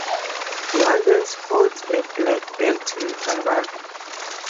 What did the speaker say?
Wallace holds a black belt in karate.